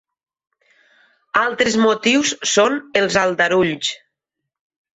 Altres motius són els aldarulls.